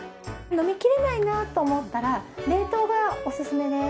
飲みきれないなと思ったら冷凍がおすすめです。